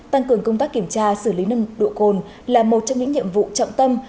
tăng cường công tác kiểm tra xử lý nân độ cồn là một trong những nhiệm vụ trọng tâm